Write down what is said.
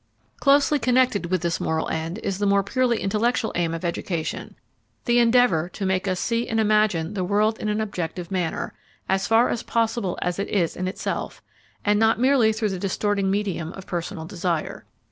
Closely connected with this moral end is the more purely intellectual aim of education, the endeavour to make us see and imagine the world in an objective manner, as far as possible as it is in itself, and not merely through the distorting medium of personal desire.